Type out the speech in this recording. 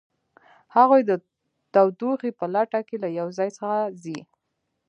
هغوی د تودوخې په لټه کې له یو ځای څخه ځي